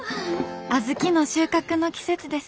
小豆の収穫の季節です。